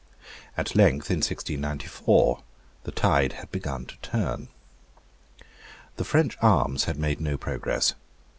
At length in 1694 the tide had begun to turn. The French arms had made no progress.